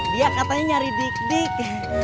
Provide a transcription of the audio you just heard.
dia katanya nyari dik dik